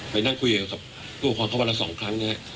ไปนั่งคุยกับผู้ปกครองเขาวันละ๒ครั้งนะครับ